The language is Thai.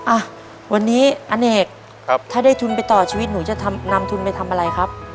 อ่ะวันนี้อเนกถ้าได้ทุนไปต่อชีวิตหนูจะนำทุนไปทำอะไรครับ